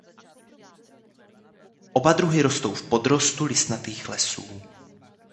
Oba druhy rostou v podrostu listnatých lesů.